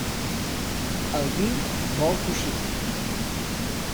El vi vol coixí.